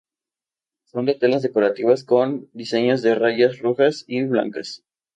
Las son telas decorativas con diseños de rayas rojas y blancas.